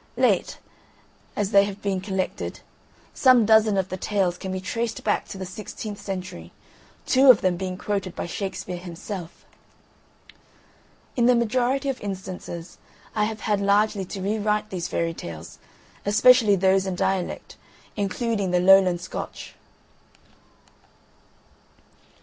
Late as they have been collected, some dozen of the tales can be traced back to the sixteenth century, two of them being quoted by Shakespeare himself. In the majority of instances I have had largely to rewrite these Fairy Tales, especially those in dialect, including the Lowland Scotch.